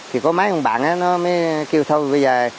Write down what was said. thì có mấy ông bạn nó mới kêu thôi bây giờ